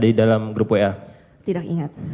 di dalam grup wa tidak ingat